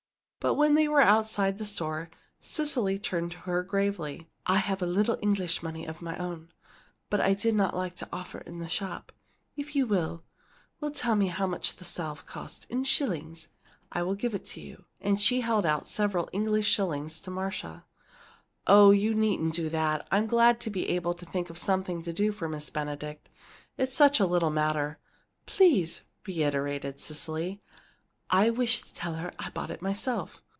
But when they were outside the store Cecily turned to her gravely: "I have a little English money of my own, but I did not like to offer it in the shop. If you will will tell me how much the salve cost in shillings I will give it to you." And she held out several English shillings to Marcia. "Oh, you needn't do that! I'm glad to be able to think of something to do for Miss Benedict. It's such a little matter " "Please!" reiterated Cecily. "I wish to tell her I bought it myself."